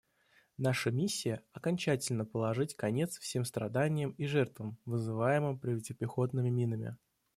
Наша миссия — окончательно положить конец всем страданиям и жертвам, вызываемым противопехотными минами.